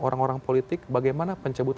orang orang politik bagaimana pencabut